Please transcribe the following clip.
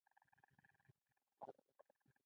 مخ یې وطن ته تاو کړی.